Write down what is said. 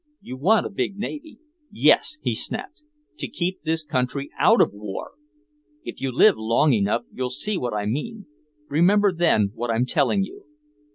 You want a big navy " "Yes," he snapped, "to keep this country out of war! If you live long enough you'll see what I mean remember then what I'm telling you!